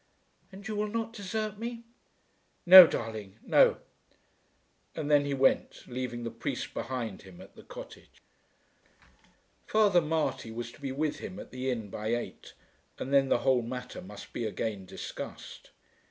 "And you will not desert me?" "No, darling, no." And then he went, leaving the priest behind him at the cottage. Father Marty was to be with him at the inn by eight, and then the whole matter must be again discussed.